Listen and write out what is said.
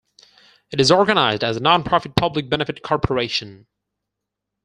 It is organized as a non-profit public-benefit corporation.